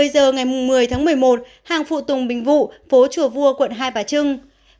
một mươi giờ ngày một mươi tháng một mươi một hàng phụ tùng bình vụ phố chùa vua quận hai bà trưng